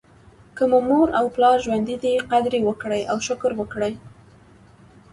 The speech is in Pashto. که مو مور او پلار ژوندي دي قدر یې وکړئ او شکر وکړئ.